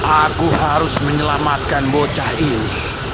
aku harus menyelamatkan bocah ini